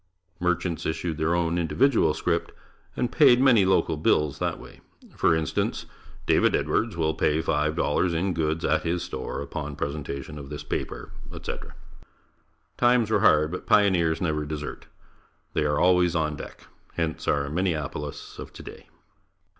Merchants issued their own individual scrip and payed many local bills that way. For instance: "David Edwards will pay five dollars in goods at his store upon presentation of this paper, etc." Times were hard, but pioneers never desert. They are always on deck. Hence our Minneapolis of today.